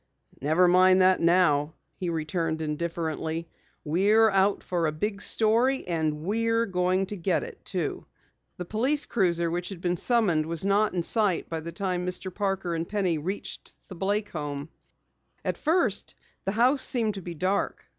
"Never mind that now," he returned indifferently. "We're out for a big story, and we're going to get it too!" The police cruiser which had been summoned was not in sight by the time Mr. Parker and Penny reached the Blake home. At first glance, the house seemed to be dark.